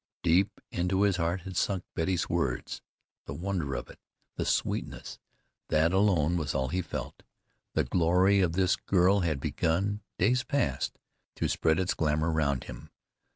Deep into his heart had sunk Betty's words. The wonder of it, the sweetness, that alone was all he felt. The glory of this girl had begun, days past, to spread its glamour round him.